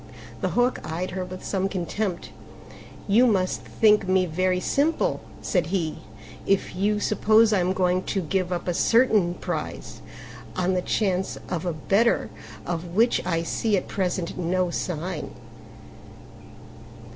The Hawk eyed her with some contempt. "You must think me very simple," said he, "if you suppose I am going to give up a certain prize on the chance of a better of which I see at present no signs."